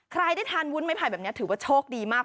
ได้ทานวุ้นไม้ไผ่แบบนี้ถือว่าโชคดีมาก